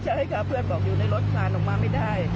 ใช่ค่ะเพื่อนบอกอยู่ในรถคลานออกมาไม่ได้